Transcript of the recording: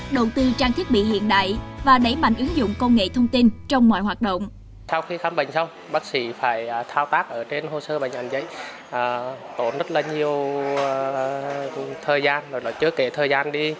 đầu tư trang thiết bị hiện đại và đẩy mạnh ứng dụng công nghệ thông tin trong mọi hoạt động